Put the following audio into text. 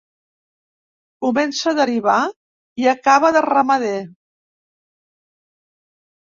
Comença a derivar i acaba de ramader.